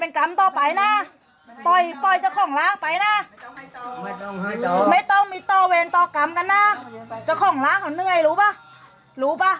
เป็นกรรมนะนะอ่ะปล่อยเจ้าของล้างไปลูกว่าสินสุดก็ในวันนี้นะรู้ป่ะ